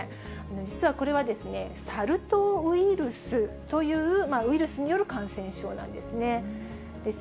実はこれはサル痘ウイルスという、ウイルスによる感染症なんですね。